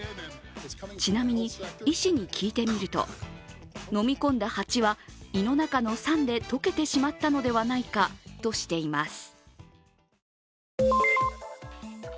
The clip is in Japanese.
ちなみに、医師に聞いてみると飲み込んだ蜂は胃の中の酸で溶けてしまったのではないかとしています。